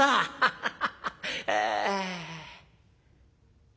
ハハハハ。